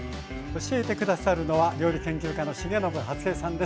教えて下さるのは料理研究家の重信初江さんです。